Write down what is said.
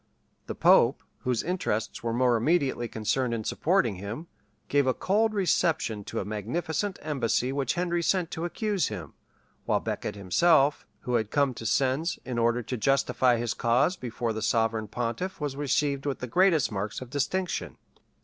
] The pope, whose interests were more immediately concerned in supporting him, gave a cold reception to a magnificent embassy which Henry sent to accuse him; while Becket himself, who had come to Sens in order to justify his cause before the sovereign pontiff was received with the greatest marks of distinction.